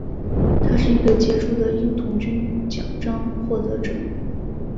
他是一个杰出的鹰童军奖章获得者。